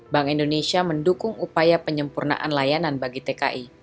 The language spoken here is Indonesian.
bank indonesia mendukung upaya penyempurnaan layanan bagi tki